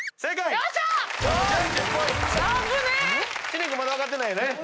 知念君まだ分かってないよね？